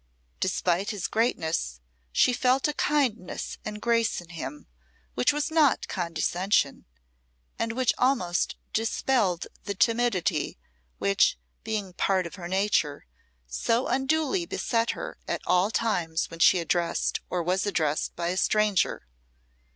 Despite his greatness, she felt a kindness and grace in him which was not condescension, and which almost dispelled the timidity which, being part of her nature, so unduly beset her at all times when she addressed or was addressed by a stranger.